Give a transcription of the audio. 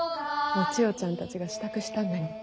お千代ちゃんたちが支度したんだに。